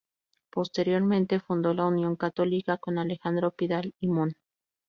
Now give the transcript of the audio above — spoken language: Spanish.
Posteriormente fundó la Unión Católica con Alejandro Pidal y Mon.